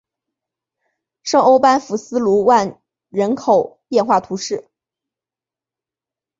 圣欧班福斯卢万人口变化图示